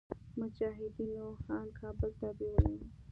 مجاهدينو ان کابل ته بيولي وو.